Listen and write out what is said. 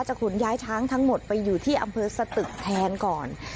ขนย้ายช้างทั้งหมดไปอยู่ที่อำเภอสตึกแทนก่อน